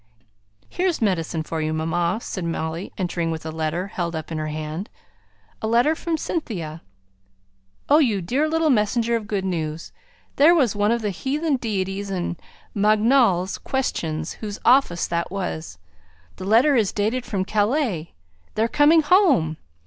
"Here's medicine for you, mamma," said Molly, entering with a letter held up in her hand. "A letter from Cynthia." "Oh, you dear little messenger of good news! There was one of the heathen deities in Mangnall's Questions whose office it was to bring news. The letter is dated from Calais. They're coming home!